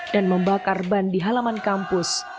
dan membakar ban di halaman kampus